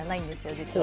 実は。